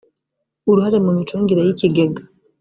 uruhare mu micungire y ikigega